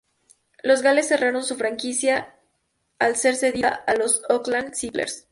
Los Gales cerraron su franquicia al ser cedida a los Oakland Clippers.